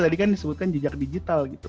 tadi kan disebutkan jejak digital gitu